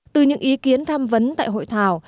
từ những ý kiến tham vấn tại hội thảo